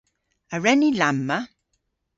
A wren ni lamma?